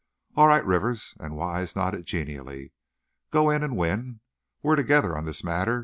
"All right, Rivers," and Wise nodded genially, "go in and win. We're together on this matter.